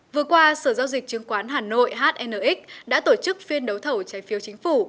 vừa qua sở giao dịch chứng khoán hà nội hnx đã tổ chức phiên đấu thầu trái phiếu chính phủ